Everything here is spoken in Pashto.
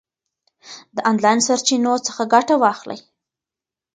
د آنلاین سرچینو څخه ګټه واخلئ.